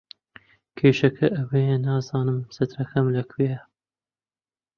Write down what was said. کێشەکە ئەوەیە نازانم چەترەکەم لەکوێیە.